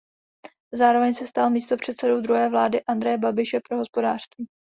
Zároveň se stal místopředsedou druhé vlády Andreje Babiše pro hospodářství.